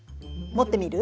持ってみる？